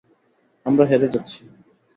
আমরা হেরে যাচ্ছি!